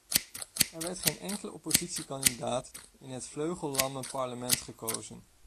Er werd geen enkele oppositiekandidaat in het vleugellamme parlement gekozen.